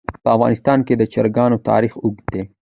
په افغانستان کې د چرګان تاریخ اوږد دی.